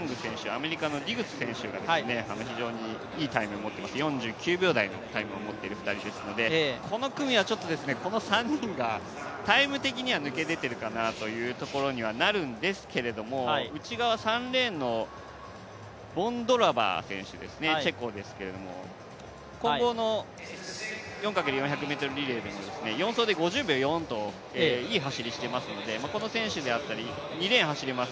アメリカのディグス選手が非常にいいタイム、４９秒台を持っている２人ですので、この組はちょっとこの３人がタイム的には抜け出ているかなというところにはなるんですけれども、内側３レーンのボンドロバー選手、チェコですけども、混合の４×４００ｍリレーでも４走で５０秒４といういい走りをしていますし、この選手であったり、２レーンを走ります